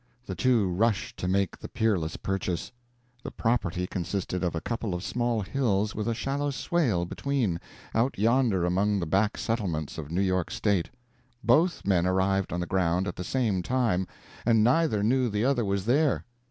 The two rushed to make the peerless purchase. The property consisted of a couple of small hills with a shallow swale between, out yonder among the back settlements of New York State. Both men arrived on the ground at the same time, and neither knew the other was there.